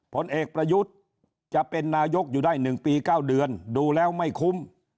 ผลเอกประยุทธ์จะเป็นนายกอยู่ได้๑ปี๙เดือนดูแล้วไม่คุ้ม